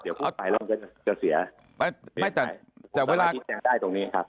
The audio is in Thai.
เดี๋ยวพูดไปเราก็จะเสียแต่ผมทำให้พิแจงได้ตรงเนี้ยครับ